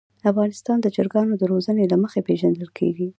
افغانستان د چرګانو د روزنې له مخې پېژندل کېږي.